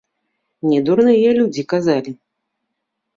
Не дурныя людзі казалі.